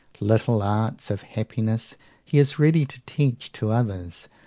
Little arts of happiness he is ready to teach to others.